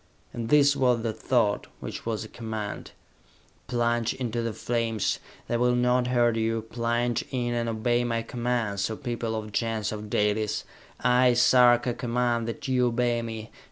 And this was the thought, which was a command. "Plunge into the flames! They will not hurt you! Plunge in, and obey my commands, O people of the Gens of Dalis! I, Sarka, command that you obey me!